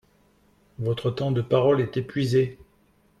Votre temps de parole est épuisé.